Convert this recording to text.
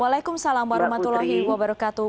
waalaikumsalam warahmatullahi wabarakatuh